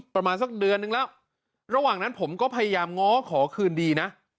ประมาณสักเดือนนึงแล้วระหว่างนั้นผมก็พยายามง้อขอคืนดีนะ